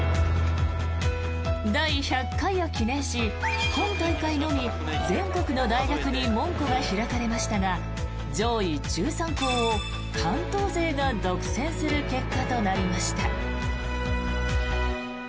第１００回を記念し今大会のみ全国の大学に門戸が開かれましたが上位１３校を関東勢が独占する結果となりました。